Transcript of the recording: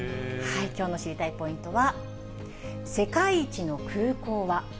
きょうの知りたいポイントは、世界一の空港は。